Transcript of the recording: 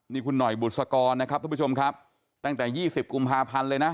นี่คุณหน่อยบุษกรนะครับทุกผู้ชมครับตั้งแต่๒๐กุมภาพันธ์เลยนะ